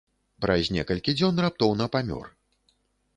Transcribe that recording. Праз некалькі дзён раптоўна памёр.